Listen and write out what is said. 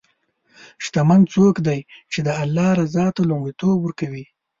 شتمن څوک دی چې د الله رضا ته لومړیتوب ورکوي.